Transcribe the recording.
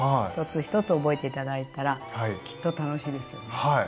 一つ一つ覚えて頂いたらきっと楽しいですよね。